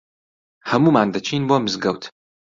هەموومان دەچین بۆ مزگەوت.